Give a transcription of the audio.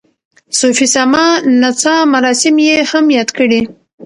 صوفي سما نڅا مراسم یې هم یاد کړي.